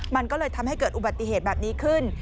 มันก็เลยทำให้เกิดอุบัติเหตุแบบนี้ขึ้น